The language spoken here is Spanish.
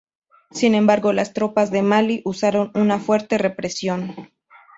Sin embargo, las tropas de Malí usaron una fuerte represión.